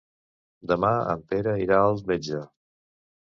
Demà en Pere irà al metge.